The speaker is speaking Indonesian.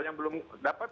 yang belum dapat